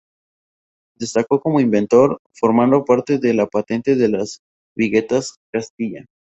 Destacó como inventor, formando parte de la patente de las Viguetas Castilla.